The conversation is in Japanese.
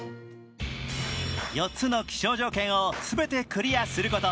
４つの気象条件を全てクリアすること。